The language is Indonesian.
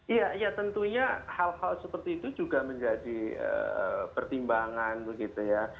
iya ya tentunya hal hal seperti itu juga menjadi pertimbangan begitu ya